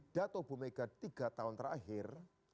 dato bu mega tiga tahun terakhir